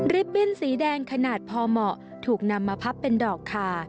บิ้นสีแดงขนาดพอเหมาะถูกนำมาพับเป็นดอกคา